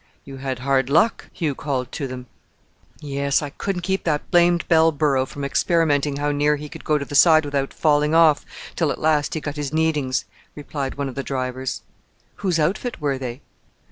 "You had hard luck," Hugh called to them. "Yes, I couldn't keep that blame bell burro from experimenting how near he could go to the side without falling off, till at last he got his needings," replied one of the drivers. "Whose outfit were they?"